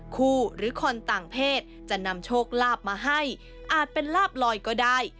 หรือคนต่างเพศจะนำโชคลาภมาให้อาจเป็นลาบลอยก็ได้